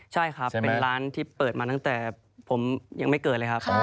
ใช่ครับเป็นร้านที่เปิดมาตั้งแต่ผมยังไม่เกิดเลยครับ